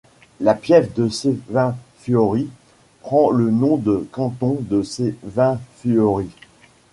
La pieve de Sevinfuori prend le nom de canton de Sevinfuori.